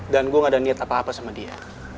dan gue gak ada niat apa apa sama dia